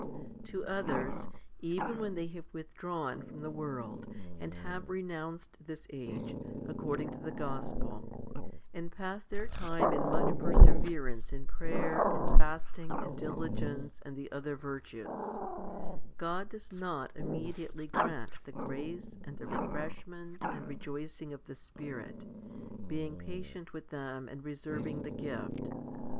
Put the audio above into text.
2. To others, even when they have withdrawn from the world, and have renounced this age, according to the 218 HOMILY XXIX 219 gospel, and pass their time in much perseverance in prayer and fasting and diligence and the other virtues, God does not immediately grant the grace and the refreshment and rejoicing of the Spirit, being patient with them and reserving the gift.